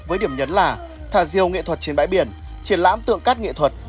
với điểm nhấn là thả diều nghệ thuật trên bãi biển triển lãm tượng cắt nghệ thuật